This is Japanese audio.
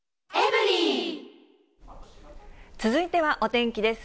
続いてはお天気です。